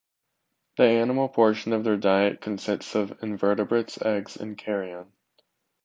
The animal portion of their diet consists of invertebrates, eggs, and carrion.